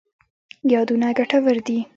یادونه ګټور دي.